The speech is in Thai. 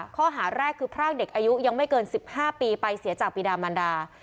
ข้อหาแรกคือพรากเด็กอายุยังไม่เกิน๑๕ปีไปเสียจากปีดามันดา